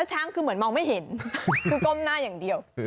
ช้างคือเหมือนมองไม่เห็นคือก้มหน้าอย่างเดียว